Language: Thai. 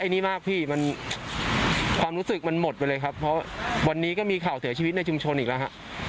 อันนี้มากพี่มันความรู้สึกมันหมดไปเลยครับเพราะวันนี้ก็มีข่าวเสียชีวิตในชุมชนอีกแล้วฮะ